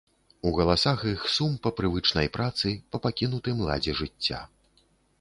У галасах іх сум па прывычнай працы, па пакінутым ладзе жыцця.